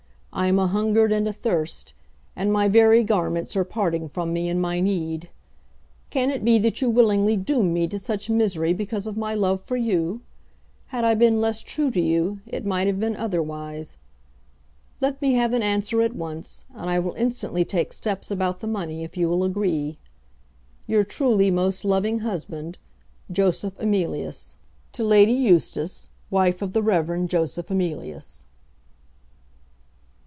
I am ahungered and athirst; and my very garments are parting from me in my need. Can it be that you willingly doom me to such misery because of my love for you? Had I been less true to you, it might have been otherwise. Let me have an answer at once, and I will instantly take steps about the money if you will agree. Your truly most loving husband, JOSEPH EMILIUS. To Lady Eustace, wife of the Rev. Joseph Emilius.